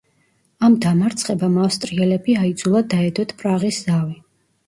ამ დამარცხებამ ავსტრიელები აიძულა დაედოთ პრაღის ზავი.